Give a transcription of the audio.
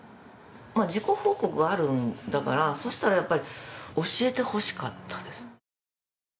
事故報告はあるんだから、そしたら、教えてほしかったです。